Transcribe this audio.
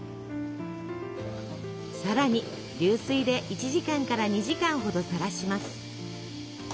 さらに流水で１時間から２時間ほどさらします。